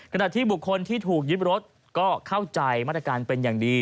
ขณะที่บุคคลที่ถูกยึดรถก็เข้าใจมาตรการเป็นอย่างดี